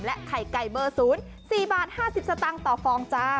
และไข่ไก่เบอร์ศูนย์๔๕๐บาทต่อฟองจ้า